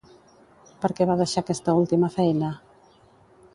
Per què va deixar aquesta última feina?